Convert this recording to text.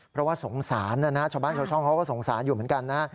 เพราะว่าสงสารนะนะชาวบ้านชาวช่องเขาก็สงสารอยู่เหมือนกันนะฮะ